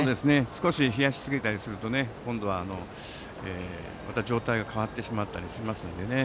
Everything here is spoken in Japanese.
少し冷やしすぎたりするとまた状態が変わってしまったりしますので。